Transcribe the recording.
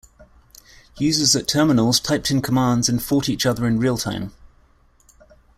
Users at terminals typed in commands and fought each other in real time.